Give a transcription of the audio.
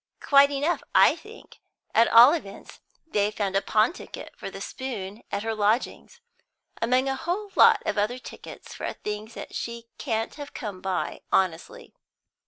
"Quite enough, I think. At all events, they've found a pawn ticket for the spoon at her lodgings, among a whole lot of other tickets for things she can't have come by honestly."